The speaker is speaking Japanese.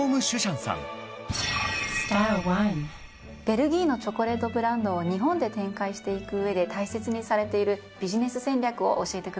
ベルギーのチョコレートブランドを日本で展開していく上で大切にされているビジネス戦略を教えてください。